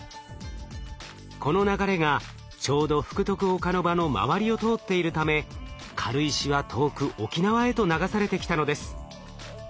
この流れがちょうど福徳岡ノ場の周りを通っているため軽石は遠く沖縄へと流されてきたのです。